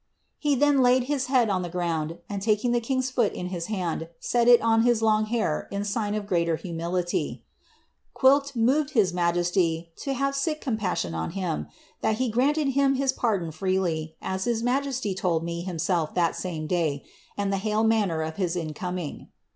He then laid his head on the ground, and taking the king's foot with his hand, set it on his long hair in sign of greater humility ;'^ quhilk moved his majesty to have sic compassion on him, that he granted him his pardon freely, as his majesty told me himself that same day, and the hail manner of his incoming."